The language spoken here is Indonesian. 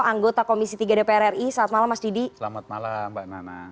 anggota komisi tiga dpr ri selamat malam mas didi selamat malam mbak nana